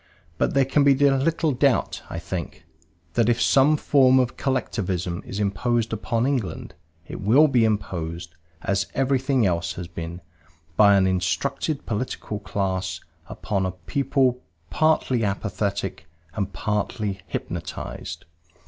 But there can be little doubt, I think, that if some form of Collectivism is imposed upon England it will be imposed, as everything else has been, by an instructed political class upon a people partly apathetic and partly hypnotized.